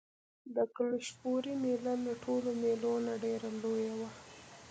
د کلشپورې مېله له ټولو مېلو نه ډېره لویه وه.